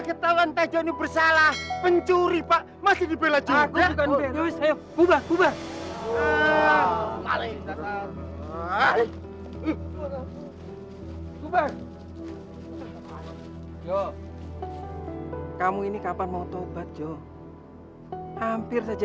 siapapun orangnya yang berani mengambil air subuh naga ini tanpa sehingga